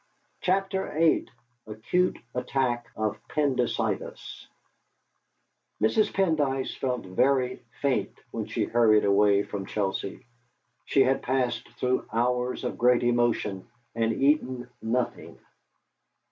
CHAPTER VIII ACUTE ATTACK OF 'PENDYCITIS' Mrs. Pendyce felt very faint when she hurried away from Chelsea. She had passed through hours of great emotion, and eaten nothing.